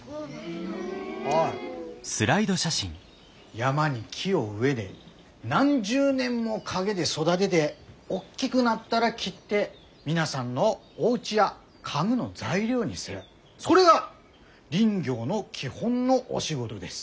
山に木を植えで何十年もかげて育でで大きぐなったら切って皆さんのおうちや家具の材料にするそれが林業の基本のお仕事です。